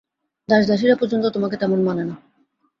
দাসদাসীরা পর্যন্ত তোমাকে তেমন মানে না।